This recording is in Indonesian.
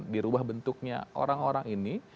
dirubah bentuknya orang orang ini